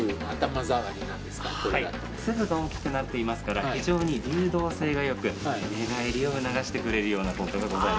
粒が大きくなっていますから非常に流動性がよく寝返りを促してくれるような効果がございます